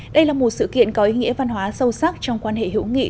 đây là một sự kiện có ý nghĩa văn hóa sâu sắc trong quan hệ hữu nghị